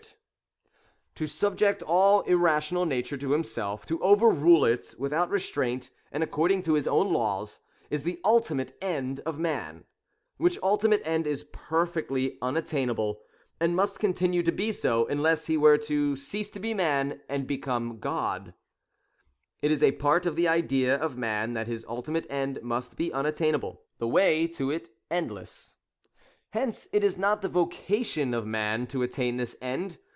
LBOTURH i. To BQbjecl all irrational nature to himself, to rule over it without restraint and according to his own laws, is fche ult J of man; which ultimate end is perfectly un attainable, and must continue to be so, unless he were to eease to be man, and become God, It is a part of the idea of man that his ultimate end must be unattainable; — the way to it endless. Hence it is not the vocation of man to attain this end.